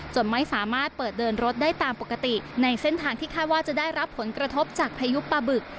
ไม่สามารถเปิดเดินรถได้ตามปกติในเส้นทางที่คาดว่าจะได้รับผลกระทบจากพายุปลาบึก